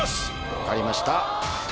分かりました。